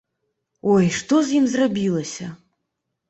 Ой, што з ім зрабілася?